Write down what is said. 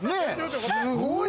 すごい！